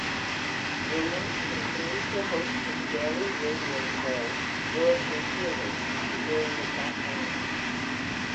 Williams continued to host his daily radio show, "Yours Sincerely" during the campaign.